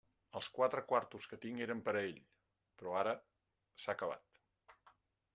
Els quatre quartos que tinc eren per a ell; però ara... s'ha acabat.